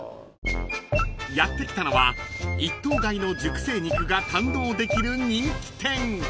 ［やって来たのは一頭買いの熟成肉が堪能できる人気店］